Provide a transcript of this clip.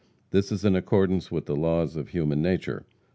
This is in accordance with the laws of human nature.